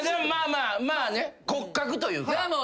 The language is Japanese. まあまあ骨格というか。